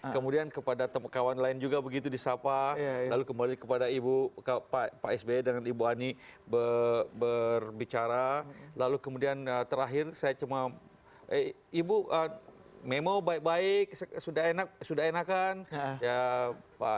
kehilangan betul aniusnya